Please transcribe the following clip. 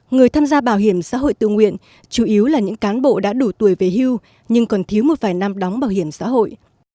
người tham gia bảo hiểm xã hội tự nguyện chủ yếu là những cán bộ đã đủ tuổi về hưu nhưng còn thiếu một vài năm đóng bảo hiểm xã hội